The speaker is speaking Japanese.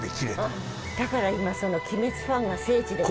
だから今「鬼滅」ファンが聖地でって。